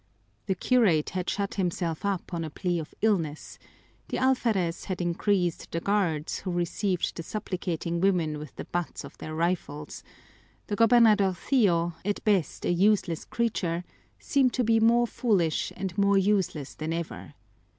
The curate had shut himself up on a plea of illness; the alferez had increased the guards, who received the supplicating women with the butts of their rifles; the gobernadorcillo, at best a useless creature, seemed to be more foolish and more useless than ever.